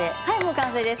完成です。